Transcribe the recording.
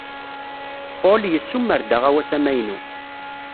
Paul yessumer-d aɣawas amaynu.